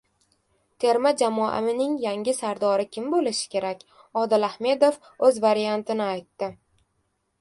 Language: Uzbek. Terma jamoaning yangi sardori kim bo‘lishi kerak? Odil Ahmedov o‘z variantini aytdi